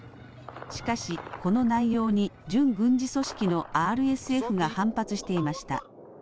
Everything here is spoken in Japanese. しかしこの内容に準軍事組織のＲＳＦが反発していました。